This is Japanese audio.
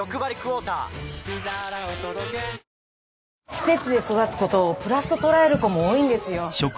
施設で育つことをプラスと捉える子も多いんですよ。